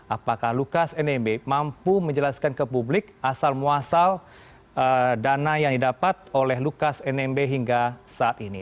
apakah lukas nmb mampu menjelaskan ke publik asal muasal dana yang didapat oleh lukas nmb hingga saat ini